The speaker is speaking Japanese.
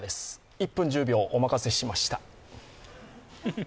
１分１０秒、お任せしました。